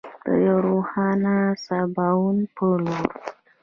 د یو روښانه سباوون په لور.